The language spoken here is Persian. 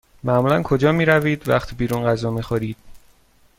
معمولا کجا می روید وقتی بیرون غذا می خورید؟